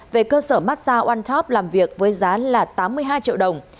về cơ sở massage onetop làm việc với giá là tám mươi hai triệu đồng